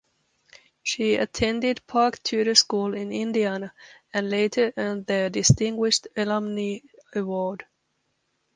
She attended Park Tudor School in Indiana and later earned their Distinguished Alumni award.